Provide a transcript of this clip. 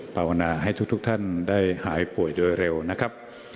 ภาวนาให้ทุกท่านได้หายป่วยโดยเร็วนะครับ